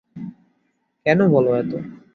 কেন বলো তো?